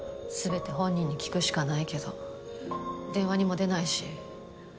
全て本人に聞くしかないけど電話にも出ないし